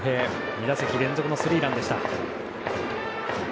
２打席連続のスリーランでした。